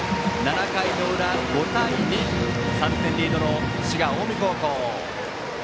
７回の裏、５対２３点リードの滋賀・近江高校。